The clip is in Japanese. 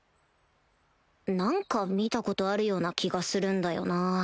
何か見たことあるような気がするんだよな